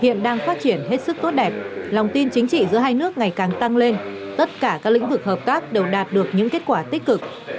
hiện đang phát triển hết sức tốt đẹp lòng tin chính trị giữa hai nước ngày càng tăng lên tất cả các lĩnh vực hợp tác đều đạt được những kết quả tích cực